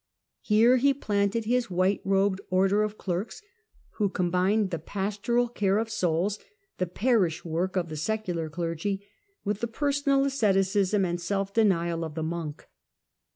Here he planted his white robed " Order of PremSn clcrks," who Combined the pastoral care of souls, the straten « parish work " of the secular clergy, with the personal asceticism and self denial of the monk.